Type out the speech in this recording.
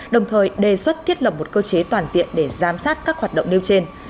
đồng thời đề xuất thiết lập một cơ chế toàn diện để giám sát các hoạt động nêu trên